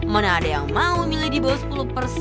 mana ada yang mau memilih di bawah sepuluh persen